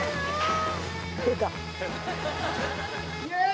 出た。